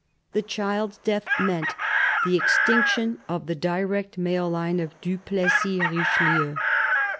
The child's death meant the extinction of the direct male line of du Plessis Richelieu.